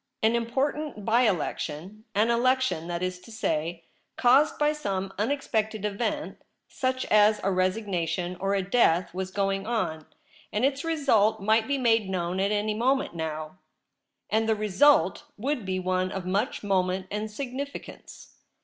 An important by election — an election, that is to say, caused by some unexpected event, such as a resignation or a death — was going on, and its result might be made known at any moment now ; and the result would be one of much moment and significance.